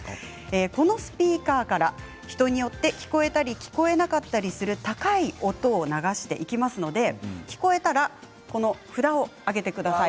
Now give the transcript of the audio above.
このスピーカーから人によって聞こえたり聞こえなかったりする高い音を流していきますので聞こえたら札を上げてください。